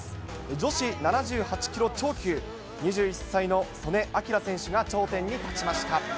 女子７８キロ超級、２１歳の素根輝選手が頂点に立ちました。